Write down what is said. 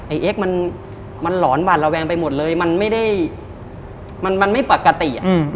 เอ็กซ์มันหลอนบาดระแวงไปหมดเลยมันไม่ได้มันไม่ปกติ